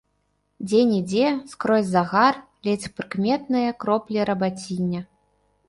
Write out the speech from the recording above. Дзе-нідзе, скрозь загар, ледзь прыкметныя кроплі рабаціння.